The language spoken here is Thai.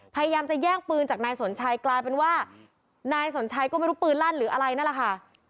พยายามจะแย่งปืนจากนายสนชัยกลายเป็นว่านายสนชัยก็ไม่รู้ปืนลั่นหรืออะไรนั่นแหละค่ะ